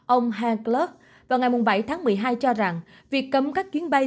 ông hank gluck vào ngày bảy tháng một mươi hai cho rằng việc cấm các chuyến bay